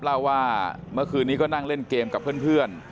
เล่าว่าเมื่อคืนนี้ก็นั่งเล่นเกมกับเพื่อน